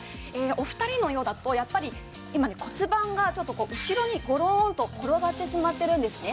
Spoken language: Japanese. お二人のようだとやっぱり今ね骨盤がちょっとこう後ろにゴローンと転がってしまっているんですね